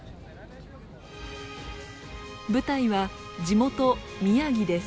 舞台は地元宮城です。